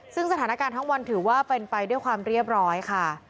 ซึ่งสถานการณ์ทั้งวันถือว่าเป็นไปด้วยความเรียบร้อยค่ะ